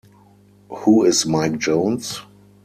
Who Is Mike Jones?